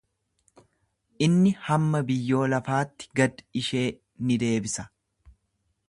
Inni hamma biyyoo lafaatti gad ishee ni deebisa.